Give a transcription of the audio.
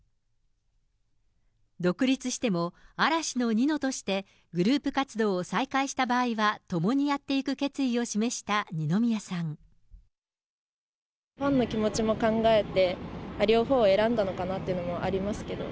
独立しても嵐のニノとして、グループ活動を再開した場合は共にやっていく決意を示した二宮さファンの気持ちも考えて、両方を選んだのかなっていうのもありますけど。